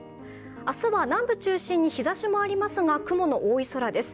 明日は南部中心に日ざしもありますが、雲の多い空です。